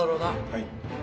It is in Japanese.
はい。